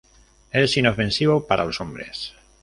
Es inofensivo para los hombres.